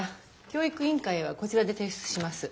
教育委員会へはこちらで提出します。